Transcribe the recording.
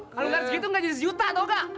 kalo gak ada segitu gak jadi sejuta tau gak